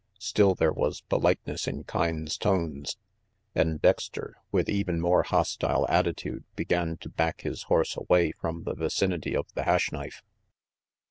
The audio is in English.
Still there was politeness in Kyne's tones; and Dexter, with even more hostile attitude, began to back his horse away from the vicinity of the Hash Knife.